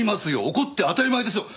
怒って当たり前でしょ！